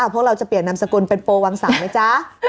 พวกเราจะเปลี่ยนนามสกุลเป็นโปรวังสาวไหมจ๊ะ